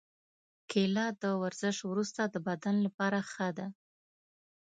کېله د ورزش وروسته د بدن لپاره ښه ده.